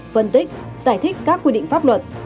phân tích giải thích các quy định pháp luật